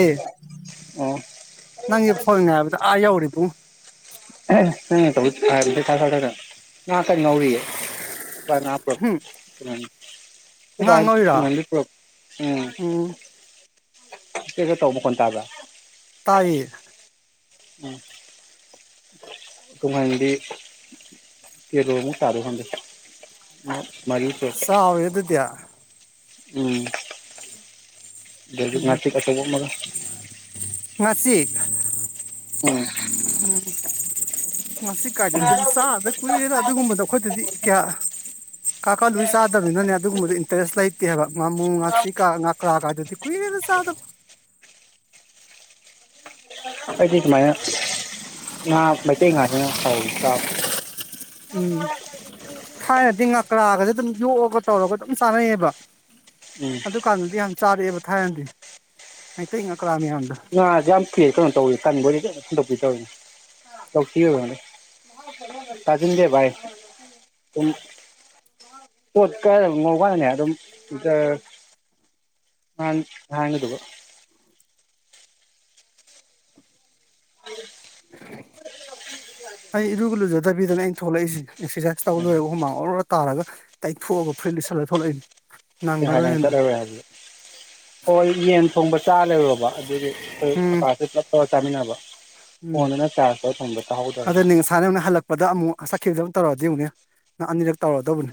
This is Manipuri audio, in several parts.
ꯑꯦ ꯑꯣ ꯅꯪꯒꯤ ꯐꯣꯟ ꯉꯥꯏꯕꯗ ꯑꯥ ꯌꯧꯔꯦ ꯢꯕꯨꯡꯉꯣ ꯑꯦ ꯃꯤꯅ ꯇꯧꯕꯗꯤ ꯐꯥꯏꯜꯗꯩ ꯊꯥꯒꯠꯂꯒ ꯉꯥ ꯀꯟꯅ ꯉꯧꯔꯤꯌꯦ [unintelligible] ꯑꯩꯈꯣꯏꯕꯥꯅ ꯉꯥꯡꯉꯣꯏꯔꯣ ꯇꯨꯡꯍꯟꯕꯤ ꯄꯨꯔꯛ ꯏ ꯎꯝ ꯆꯦꯛ ꯆꯦꯛ ꯇꯧꯕ ꯃꯈꯣꯟ ꯇꯥꯕ꯭ꯔ ꯇꯥꯏꯌꯦ ꯎꯝ ꯇꯨꯡꯍꯟꯕꯤ ꯀꯦꯂꯣ ꯃꯨꯛ ꯇꯥꯗꯣꯏꯔ ꯈꯪꯗꯦ ꯃꯔꯤ ꯁꯨꯏ ꯆꯥꯎꯔꯦ ꯑꯗꯨꯗꯤ ꯎꯝ ꯑꯗꯩꯗꯤ ꯎꯝ ꯉꯥꯆꯤꯛ ꯑꯆꯧꯕ ꯑꯃꯒ ꯉꯥꯆꯤꯛ ꯎꯝ ꯎꯝ ꯉꯥꯆꯤꯛ ꯀꯥꯏꯗꯨꯗꯤ ꯆꯥꯗ ꯀꯨꯏꯔꯦꯗ ꯑꯗꯨꯒꯨꯝꯕꯗꯣ ꯑꯩꯈꯣꯏꯗꯗꯤ ꯀꯌꯥ ꯀꯥꯀꯥꯂꯨ ꯆꯥꯗꯕꯅꯤꯅꯅꯦ ꯑꯗꯨꯒꯨꯝꯕꯗꯨ ꯏꯟ ꯟꯇꯔꯦꯁ ꯂꯩꯇꯦꯕ ꯉꯥꯃꯨ ꯉꯥꯆꯤꯀꯥ ꯉꯥꯀ꯭ꯔꯥꯒꯥꯏꯗꯨꯗꯤ ꯀꯨꯏꯔꯦꯗ ꯆꯥꯗꯕ ꯑꯩꯈꯣꯏꯗꯤ ꯁꯨꯃꯥꯏꯅ ꯉꯥ ꯃꯩꯇꯩ ꯉꯥꯁꯤꯅ ꯍꯥꯎꯏ ꯆꯥꯕ ꯎꯝ ꯊꯥꯏꯅꯗꯤ ꯉꯀ꯭ꯔꯥꯒꯁ ꯑꯗꯨꯝ ꯌꯣꯛꯑꯒ ꯇꯧꯔꯒ ꯑꯗꯨꯝ ꯆꯥꯅꯩꯌꯦꯕ ꯎꯝ ꯑꯗꯨꯀꯥꯟꯗꯗꯤ ꯌꯥꯝ ꯆꯥꯔꯛꯑꯦꯕ ꯊꯥꯏꯅꯗꯤ ꯃꯩꯇꯩ ꯉꯛꯀ꯭ꯔꯥ ꯃꯌꯥꯝꯗꯨ ꯉꯥꯁꯤ ꯌꯥꯝ ꯊꯤꯌ‌ꯦ ꯀꯩꯅ‌ꯣ ꯇꯧꯋꯤ ꯀꯟꯕ‌ꯣꯏ [unintelligible] ꯇꯥꯖꯤꯟꯗꯦ ꯚꯥꯏ ꯎꯝ ꯄꯣꯠ ꯀꯛꯑꯒ ꯉꯧꯕ ꯀꯟ ꯑꯗꯨꯝ ꯖꯔ ꯉꯥꯡ ꯉꯥꯡꯍꯟꯗꯧꯕ [inaudible] ꯑꯩ ꯏꯔꯨꯒ ꯂꯨꯖꯗꯕꯤꯗꯅꯦ ꯑꯩꯅ ꯊꯣꯛꯂꯛꯏꯁꯦ ꯑꯦꯛꯁꯔꯁꯥꯏꯁ ꯇꯧ ꯎꯝ ꯂꯣꯏꯔꯒ ꯍꯨꯃꯥꯡ ꯑꯣꯔꫭꯔꫭ ꯇꯥꯔꯒ ꯇꯩꯊꯣꯛꯑꯒ ꯐꯨꯔꯤꯠ ꯂꯤꯠꯁꯜꯂꯒ ꯊꯣꯛꯂꯛꯏꯅꯤ ꯉꯍꯥꯟ ꯅꯪ ꯅꯪꯉꯔꯣꯏꯅ ꯆꯠꯂꯔꯣꯏ ꯍꯥꯏꯗꯨꯗꯤ ꯍꯣꯏ ꯌꯦꯟ ꯊꯣꯡꯕ ꯆꯥ ꯂꯩꯔꯣꯕ ꯑꯗꯨꯗꯤ ꯑꯩꯈꯣꯏ ꯎꯝ ꯑꯀꯥꯁ ꯑꯩꯈꯣꯏ ꯄꯨꯂꯞ ꯇꯧꯔꯒ ꯆꯥꯃꯤꯟꯅꯕ ꯐꯣꯟꯗꯨꯅ ꯆꯥꯔꯖ ꯇꯧꯔ ꯊꯝꯕ ꯇꯥꯍꯧꯗꯕ ꯉꯥꯁꯥꯟ ꯅꯪꯅ ꯍꯜꯂꯛꯄꯗ ꯑꯃꯨꯛ ꯆꯠꯈꯤꯕꯗ ꯇꯧꯔꯛꯑꯗꯤ ꯌꯦꯡꯉꯨꯅꯦ ꯅꯪ ꯑꯅꯤꯔꯛ ꯇꯧꯔꯛ ꯑꯗꯕꯅꯦ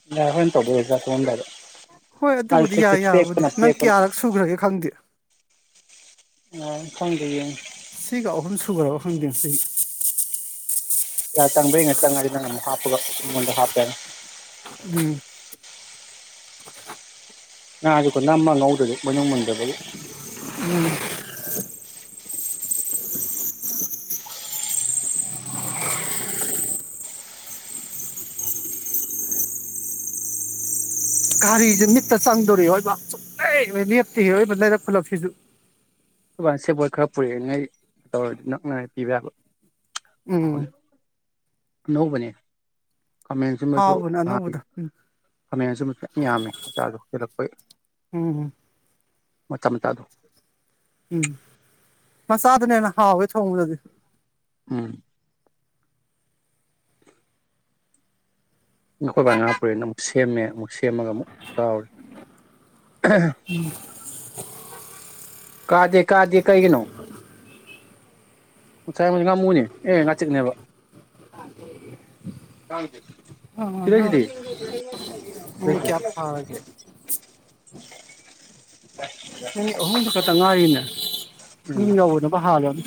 [inaudible] ꯇꯨꯝꯃꯝꯗꯥꯏꯗ ꯍꯣꯏ ꯑꯗꯨꯕꯨꯗꯤ ꯌꯥꯏ ꯌꯥꯕꯨꯗꯤ ꯅꯪ ꯄꯦꯛꯄꯅ ꯀꯌꯥꯔꯛ ꯁꯨꯈ꯭ꯔꯒꯦ ꯈꯪꯗꯦ ꯑꯣ ꯈꯪꯗꯦꯌꯦ ꯁꯤꯒ ꯑꯍꯨꯝ ꯁꯨꯒꯔꯕ ꯈꯪꯗꯦ ꯉꯥꯁꯤꯒꯤ [inaudible] ꯎꯝ ꯉꯥꯁꯦꯀꯣ ꯅꯝꯃ ꯉꯧꯗꯔꯗꯤ ꯃꯅꯨꯡ ꯃꯨꯟꯗꯕꯒꯤ ꯎꯝ ꯒꯥꯔꯤꯁꯦ ꯃꯤꯠꯇ ꯆꯪꯗꯧꯔꯦ ꯑꯑꯣꯏꯕ ꯁꯨꯡꯂꯩꯞ ꯍꯦꯛ ꯂꯦꯞꯇꯦꯍꯦ ꯑꯑꯣꯏꯕ ꯂꯩꯔꯛ ꯈꯨꯜꯂꯛꯁꯤꯁꯨ ꯑꯩꯈꯣꯏ ꯕꯥꯅ ꯁꯦꯕꯣꯠ ꯈꯔ ꯄꯨꯔꯛꯏ ꯉꯩ ꯇꯧꯔ ꯅꯛꯅꯔꯦ ꯄꯤꯕ ꯌꯥꯕ ꯎꯝ ꯍꯥꯎꯔꯅꯤ ꯑꯅꯧꯕꯅꯦ ꯈꯃꯦꯟꯁꯤꯕꯁꯨ ꯍꯥꯎꯕꯅꯦ ꯅꯍꯥꯟ ꯑꯅꯧꯕꯗꯣ ꯎꯝ ꯈꯃꯦꯟꯁꯤꯟꯕꯁꯨ ꯃꯌꯥꯝ ꯌꯥꯝꯃꯦ ꯃꯆꯥꯗꯣ ꯍꯦꯛꯂꯛꯄꯩ ꯎꯝ ꯃꯆꯥ ꯃꯆꯥꯗꯣ ꯎꯝ ꯃꯆꯥꯗꯨꯅ ꯍꯦꯟꯅ ꯍꯥꯎꯋꯦ ꯊꯣꯡꯕꯗꯗꯤ ꯎꯝ ꯑꯩꯈꯣꯏ ꯕꯥꯅ ꯉꯥ ꯄꯨꯔꯛꯏꯅ ꯑꯃꯨꯛ ꯁꯦꯝꯃꯦ ꯑꯃꯨꯛ ꯁꯦꯝꯃꯒ ꯑꯃꯨꯛ ꯇꯥꯎꯔꯤ ꯎꯝ ꯀꯥꯗꯦ ꯀꯥꯗꯦ ꯀꯩꯒꯤꯅꯣ ꯁꯥꯏ ꯉꯥꯃꯨꯅꯦ ꯑꯦ ꯉꯥꯆꯤꯛꯅꯦꯕ ꯀꯥꯡ ꯃꯤꯅꯤꯠ ꯀꯌꯥ ꯁꯤꯗꯩꯁꯤꯗꯤ ꯍꯥꯔꯥꯒꯦ [unintelligible] ꯃꯤꯅꯤꯠ ꯑꯍꯨꯝꯗꯨ ꯈꯛꯇ ꯉꯥꯏꯔꯤꯅꯦ ꯌꯨꯝ ꯎꯝ ꯌꯧꯕꯅꯥꯕꯨ ꯍꯥꯜꯂꯅꯤ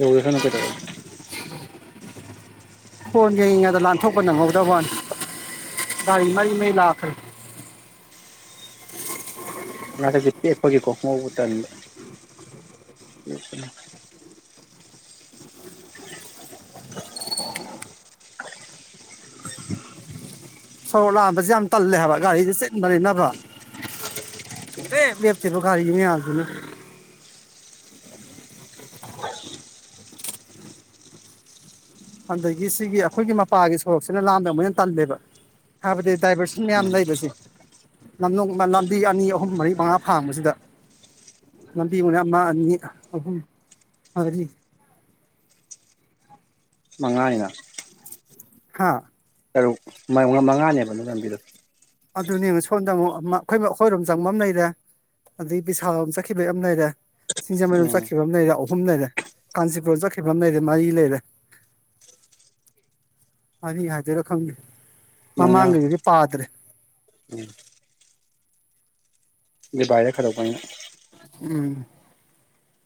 ꯑꫭꯏꯔꯁꯅꯨ ꯀꯩꯗꯧꯔꯒꯦ ꯐꯣꯟ ꯌꯦꯉꯗ ꯂꯥꯟꯊꯣꯛꯄ ꯅꯪꯍꯧꯗꯕꯋꯅꯤ ꯒꯥꯔꯤ ꯃꯔꯤ ꯃꯔꯤ ꯂꯥꯛꯈ꯭ꯔꯦ ꯉꯥꯆꯤꯛꯁꯦ ꯇꯦꯛꯄꯒꯤ ꯉꯧꯕꯥ ꯇꯪꯕ [unintelligible] ꯁꯣꯔꯣꯛ ꯂꯥꯛꯝꯕꯁꯦ ꯌꯥꯝ ꯇꯜꯂꯦ ꯍꯥꯏꯕ ꯒꯥꯔꯤꯁꯦ ꯆꯤꯟꯟꯅꯅꯤꯅꯕ ꯁꯨꯡꯂꯦꯞ ꯂꯦꯞꯇꯦꯕ ꯒꯥꯔꯤ ꯃꯌꯥꯝꯁꯤꯅ ꯑꯗꯒꯤ ꯁꯤꯒꯤ ꯑꯩꯈꯣꯏꯒꯤ ꯃꯄꯥꯒꯤ ꯁꯣꯔꯣꯛꯁꯤꯅ ꯂꯥꯜꯕ ꯑꯃꯨꯛ ꯍꯦꯟꯅ ꯇꯜꯂꯦꯕ ꯍꯥꯏꯕꯗꯤ ꯗꯥꯏꯕꯔꯁꯟ ꯃꯌꯥꯝ ꯎꯝ ꯂꯩꯕꯁꯦ ꯂꯝꯂꫭꯡꯗ ꯂꯝꯕꯤ ꯑꯅꯤ ꯑꯍꯨꯝ ꯃꯔꯤ ꯃꯉꯥ ꯐꯥꯡꯕꯁꯤꯗ ꯂꯝꯕꯤ ꯃꯅ ꯑꯃ ꯑꯅꯤ ꯑꯍꯨꯝ ꯃꯔꯤ ꯃꯉꯥꯅ ꯍꯥꯥ ꯇꯔꯨꯛ ꯃꯉꯥꯅꯦꯕꯅ ꯑꯗꯨ ꯂꯝꯕꯤꯗꯣ ꯑꯗꯨꯅꯦꯕ ꯁꯣꯝꯗ ꯑꯃꯨꯛ ꯑꯩꯈꯣꯏ ꯑꯩꯈꯣꯏꯔꯣꯝ ꯆꯪꯕꯝ ꯂꯩꯔꯦ ꯑꯗꯒꯤ ꯄꯕꯤꯁꯥꯣꯝ ꯆꯠꯈꯤꯕ ꯌꯥꯝ ꯂꯩꯔꯦ ꯁꯤꯡꯖꯃꯩꯔꫭꯝ ꯎꯝ ꯆꯠꯈꯤꯕ ꯑꯃ ꯂꯩꯔꯦ ꯑꯍꯨꯝ ꯂꯩꯔꯦ ꯀꯥꯟꯆꯤꯄꯨꯔ ꯆꯠꯈꯤꯕ ꯑꯃ ꯂꯩꯔꯦ ꯃꯔꯤ ꯂꯩꯔꯦ ꯑꯅꯤ ꯍꯥꯏꯗꯣꯏꯔꯥ ꯈꯪꯗꯦ ꯃꯉꯥ ꯃꯃꯥꯡꯒꯤꯗꯨꯗꯤ ꯄꯥꯗ꯭ꯔꯦ ꯎꯝ [inaudible] ꯎꯝ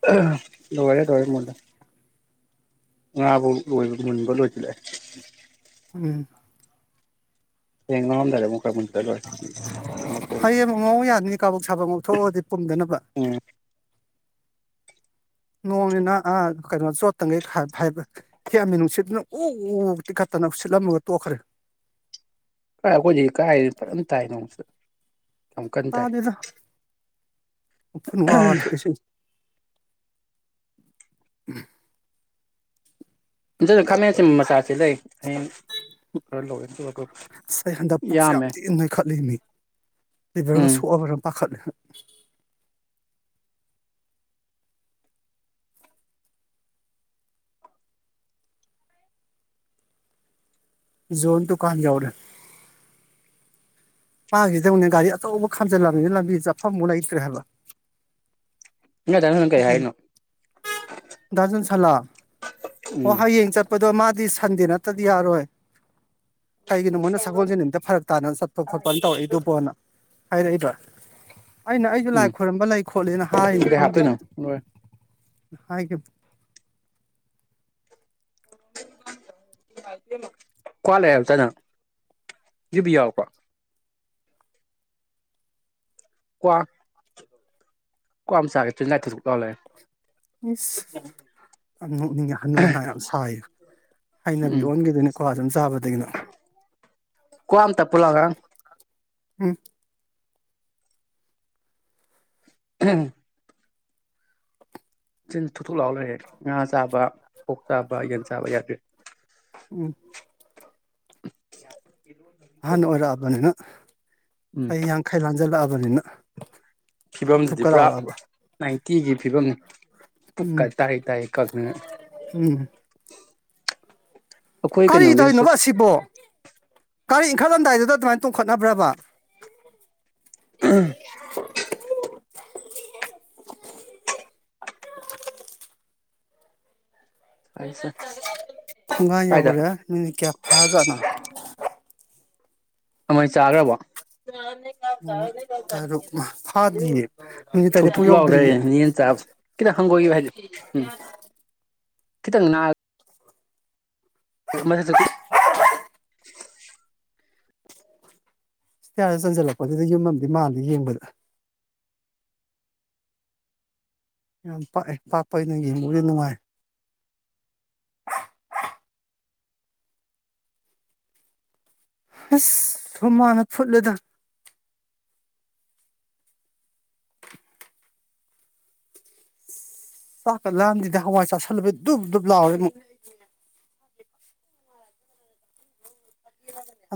[unintelligible] ꯂꯣꯏꯔꯦ ꯂꯣꯏꯔꯦ ꯃꯨꯜꯂꯦ ꯉꯥꯕꯧ ꯂꯣꯏꯕ ꯃꯨꯟꯕ ꯂꯣꯏꯁꯤꯜꯂꯛꯑꯦ ꯎꯝ ꯍꯌꯦꯡ ꯉꯧꯔꯝꯗꯥꯏꯗ ꯑꯃꯨꯛ ꯈꯔ [unintelligible] ꯂꯣꯏ ꯉꯧꯊꯣꯛꯑ ꯍꯌꯦꯡ ꯑꯃꯨꯛ ꯉꯧ ꯌꯥꯗꯅꯤ ꯀꯥꯕꯛ ꯁꯥꯕ ꯉꯧꯊꯣꯛꯑꯒꯗꯤ ꯄꯨꯝꯗꯅꯕ ꯎꯝ ꯅꯣꯡꯅꯤꯅ ꯑꯥ ꯀꯩꯅꯣ ꯆꯣꯠꯇꯈꯩꯕ [unintelligible] ꯍꯦꯛꯃꯤ ꯅꯨꯡꯁꯤꯠꯇꯨꯅ ꯎ ꯇꯤꯛꯈꯠꯇꯅ ꯁꯤꯠꯂꯝꯃꯒ ꯇꯣꯛꯈ꯭ꯔꯦ ꯑꯦ ꯑꯩꯈꯣꯏꯗꯤ ꯀꯥꯏ ꯐꯖꯥꯅ ꯇꯥꯏ ꯅꯣꯡ ꯁꯤꯗ ꯌꯥꯝ ꯀꯟ ꯇꯥꯏ ꯇꯥꯗꯦꯗ ꯎꯐꯨꯟ ꯋꯥ ꯊꯣꯛꯏꯁꯤ [unintelligible] ꯈꯥꯃꯦꯟꯁꯤꯟꯕ ꯃꯆꯥ ꯁꯤꯂꯩ ꯍꯌꯦꯡ ꯈꯔ ꯂꯧꯋꯦ ꯑꯗꯨꯒ ꯄꯨꯂꯞ ꯑꯁ ꯑꯩ ꯍꯟꯗꯛ ꯄꯨꯛꯁꯦ ꯌꯥꯝ ꯌꯥꯝꯃꯦ ꯊꯤꯅ ꯅꯣꯏꯈꯠꯂꯦꯃꯤ ꯂꯤꯕꯔꯒ ꯎꯝ ꯁꯣꯛꯑꯕꯔꯥ ꯄꯥꯈꯠꯂꯦ ꯖꯣꯟ ꯗꯨꯀꯟ ꯌꯧꯔꯦ ꯃꯥꯥꯡꯁꯤꯗ ꯑꯃꯨꯛꯅꯦ ꯒꯥꯔꯤ ꯑꯆꯧꯕ ꯈꯝꯖꯤꯜꯂꯝꯕꯅꯤꯅ ꯂꯝꯕꯤꯆꯞꯐꯝꯃꯨꯛ ꯂꯩꯇ꯭ꯔꯦꯕ ꯉꯁꯥꯏ ꯅꯪ ꯀꯩ ꯍꯥꯏꯔꯤꯅꯣ ꯗꯥ ꯖꯣꯟꯁꯜꯂꯥ ꯑꯣ ꯎꯝ ꯍꯌꯦꯡ ꯆꯠ ꯄꯗꯣ ꯃꯥꯗꯤ ꯁꯟꯗꯦ ꯅꯠꯇꯗꯤ ꯌꯥꯔꯣꯏ ꯀꯩꯒꯤꯅꯣ ꯃꯣꯏꯅ ꯁꯒꯣꯜꯁꯦ ꯅꯨꯃꯤꯠꯇꯥ ꯐꯔꯛ ꯇꯥꯅ ꯆꯠꯄ ꯈꯣꯠꯄꯅ ꯇꯧꯔꯛꯏꯗꯨꯕꯣꯅ ꯍꯥꯏꯔꯛꯏꯕ꯭ꯔꯥ ꯑꯩꯅ ꯑꯩꯁꯨ ꯂꯥꯏ ꯎꯝ ꯈꯣꯏꯔꯝꯕ ꯂꯩ ꯈꯣꯠꯂꯦꯅ ꯍꯥꯏꯅꯤ ꯈꯪꯗꯦ ꯍꯣꯏ ꯍꯥꯏꯒꯤꯝ ꯀ꯭ꯋꯥ ꯂꯩꯔꯛ ꯇꯥꯏꯅꯦ ꯌꯨꯕꯤ ꯌꯥꯎꯔꯛꯄꯔꯣ ꯀ꯭ꯋꯥ ꯀ꯭ꯋꯥ ꯑꯃ ꯆꯥꯒꯦ [unintelligible] ꯂꯥꯎꯂꯦ ꯏꯁ ꯌꯥꯝ ꯅꯣꯛꯅꯤꯡꯉꯦ ꯍꯅꯨ ꯍꯅꯥ ꯌꯥꯝ ꯁꯥꯏ ꯍꯩꯅꯕꯤ ꯎꯝ ꯑꯣꯟꯈꯤꯗꯣꯏꯅꯤꯀꯣ ꯑꯗꯨꯝ ꯆꯥꯕꯗꯒꯤ ꯀꯨꯌꯥ ꯑꯝ ꯄꯞꯄꯨ ꯎꯝ [unintelligible] ꯆꯤꯟ ꯊꯨꯊꯨꯛ ꯂꯥꯎ ꯂꯩꯔꯦ ꯉꯥ ꯆꯥꯕ ꯑꯣꯛ ꯆꯥꯕ ꯌꯦꯟ ꯆꯥꯕ ꯌꯥꯗꯦ ꯎꯝ [unintelligible] ꯑꯍꯟ ꯑꯣꯏꯔꯛꯑꯕꯅꯤꯅ ꯎꯝ ꯆꯍꯤ ꯌꯥꯡꯈꯩ ꯂꯥꯟꯖꯜꯂꯛꯑꯕꯅꯤꯅ ꯐꯤꯕꯝꯁꯤꯗꯤ ꯊꯨꯞꯀ ꯄꯨꯔꯥ ꯂꯥꯎꯔꯛꯑꯕ ꯅꯥꯏꯟꯇꯤꯒꯤ ꯐꯤꯕꯝꯅꯤ ꯄꯨꯛꯀ ꯎꯝ ꯇꯥꯍꯩ ꯇꯥꯍꯩ ꯀꯪꯉꯒ ꯎꯝ ꯀꯩꯅꯣꯒꯤꯗꯨꯁꯨ ꯀꯔꯤꯇꯧꯔꯤꯅꯣꯕ ꯑꯁꯤꯕꯣ ꯒꯔꯤ ꯏꯟꯈꯠꯂꯝꯗꯥꯏꯗꯨꯗ ꯑꯗꯨꯃꯥꯏꯅ ꯇꯣꯡꯈꯠꯅꯕ꯭ꯔꯕ [unintelligible] ꯊꯣꯡꯒꯥꯟ ꯀꯥꯏꯗ ꯌꯧꯔꯦ ꯃꯤꯅꯤꯠ ꯀꯌꯥ ꯐꯔꯥꯖꯥꯠꯅꯣ ꯃꯣꯏ ꯆꯥꯒ꯭ꯔꯕꯣ [unintelligible] ꯃꯤꯅꯤꯠ ꯇꯔꯨꯛ ꯐꯥꯗꯤꯌꯦ ꯃꯤꯅꯤꯠ [unintelligible] ꯊꯨꯛ ꯇꯔꯦꯠꯄꯨ ꯊꯨꯛ ꯌꯧꯗ꯭ꯔꯤꯌꯦ ꯂꯥꯎꯂꯩꯔꯦꯅꯦ ꯌꯦꯟ ꯆꯕꯁꯦ ꯈꯤꯇꯪ ꯍꯪꯒꯣꯏꯈꯤꯕ ꯍꯥꯏꯗꯤ ꯎꯝ ꯈꯤꯇꯪ ꯅꯥꯟ [unintelligible] [unintelligible] ꯏꯁꯇꯤꯌꯥꯔꯗ ꯆꯟꯁꯤꯜꯂꯛꯄꯖꯤꯗ ꯌꯨꯝ ꯑꯃꯗꯤ ꯃꯜꯂꯤ ꯌꯦꯡꯕꯗ ꯌꯥꯝ ꯄꯥꯛꯑꯦ ꯄꯥꯛꯄꯩꯅꯤꯅꯥ ꯌꯦꯡꯕꯨꯗꯤ ꯅꯨꯡꯉꯥꯏ ꯑꯁ ꯍꯨꯃꯥꯡꯅ ꯐꯨꯠꯂꯦꯗ ꯆꯥꯛꯀꯥ ꯂꯥꯝꯂꯦꯗꯥ ꯍꯋꯥꯏ ꯆꯥꯥꯁꯤꯜꯂꯨꯕꯩ ꯗꯨꯞ ꯗꯨꯞ ꯂꯥꯎꯔꯦ ꯑꯃꯨꯛ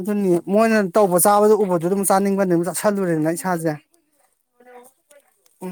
ꯑꯗꯨꯅꯤ ꯃꯣꯏꯅ ꯇꯧꯕ ꯆꯥꯕꯗꯣ ꯎꯕꯗꯨꯗꯥ ꯑꯗꯨꯝ ꯆꯥꯅꯤꯡꯕꯅꯦ ꯑꯗꯨꯝ ꯆꯥꯁꯜꯂꯨꯔꯦꯗꯅ ꯏꯁꯥꯁꯦ ꯎꯝ